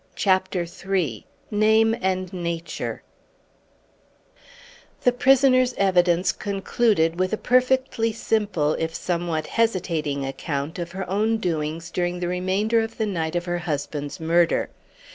CHAPTER III NAME AND NATURE The prisoner's evidence concluded with a perfectly simple if somewhat hesitating account of her own doings during the remainder of the night of her husband's murder.